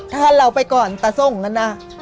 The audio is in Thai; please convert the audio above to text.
ถ้าเราไปก่อนต้องสู้กันน่ะ